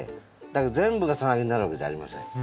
だけど全部がサナギなるわけじゃありません。